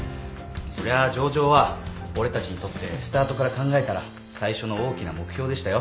そりゃ上場は俺たちにとってスタートから考えたら最初の大きな目標でしたよ。